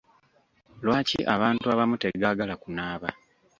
Lwaki abantu abamu tegaagala kunaaba.